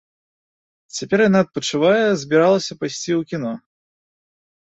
Цяпер яна адпачывае, збіралася пайсці ў кіно.